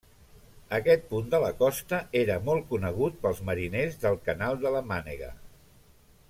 Aquest punt de la costa era molt conegut pels mariners del canal de la Mànega.